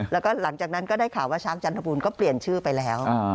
แล้วก็หลังจากนั้นก็ได้ข่าวว่าช้างจันทบูรณก็เปลี่ยนชื่อไปแล้ว